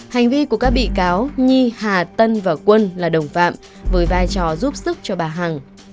hành vi của các bị cáo nhi hà tân và quân là đồng phạm với vai trò giúp sức cho bà hằng